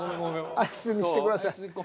アイスにしてください。